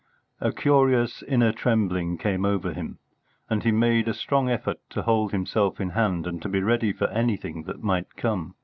A curious inner trembling came over him, and he made a strong effort to hold himself in hand and to be ready for anything that might come.